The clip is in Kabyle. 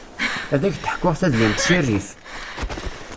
Ad ak-ḥkuɣ tadyant si rrif.